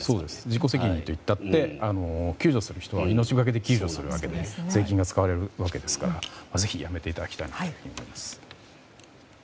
自己責任といったって救助する人は命がけで救助するわけで税金が使われるわけなのでぜひ、やめていただきたいです。